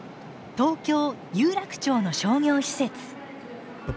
東京・有楽町の商業施設。